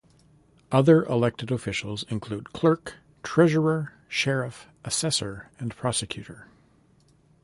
Other elected officials include clerk, treasurer, sheriff, assessor and prosecutor.